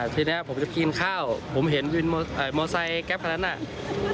ทีนี้ผมจะกินข้าวผมเห็นมอไซด์แก๊บข้างนั้น